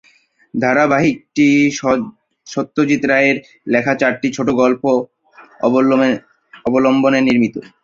ধারাবাহিকটি সত্যজিৎ রায়ের লেখা চারটি ছোটো গল্প অবলম্বনে নির্মিত।